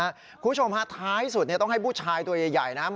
คุณผู้ชมฮะท้ายสุดต้องให้ผู้ชายตัวใหญ่นะครับ